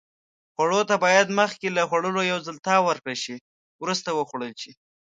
خوړو ته باید مخکې له خوړلو یو ځل تاو ورکړل شي. وروسته وخوړل شي.